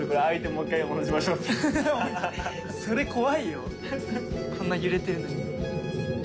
それ怖いよこんな揺れてるのに。